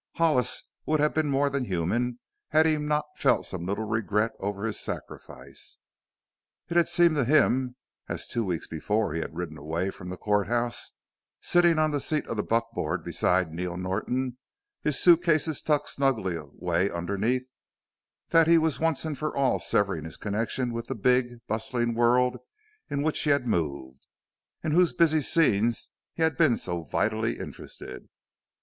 Hollis would have been more than human had he not felt some little regret over his sacrifice. It had seemed to him, as two weeks before he had ridden away from the court house sitting on the seat of the buckboard beside Neil Norton, his suitcases tucked snugly away underneath that he was once and for all severing his connection with the big, bustling world in which he had moved; in whose busy scenes he had been so vitally interested.